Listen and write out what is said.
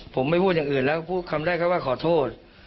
ผมไม่พูดอย่างอื่นแล้วพูดคำได้แค่ว่าขอโทษ